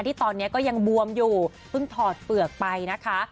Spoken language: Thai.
ที่ตอนนี้ก็ยังบวมอยู่เพิ่งถอดเปลือกไปนะคะ